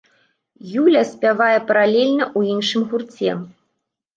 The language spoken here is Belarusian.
Юля спявае паралельна ў іншым гурце.